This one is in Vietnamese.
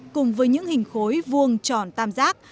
cùng với những hình khối vuông tròn tam giác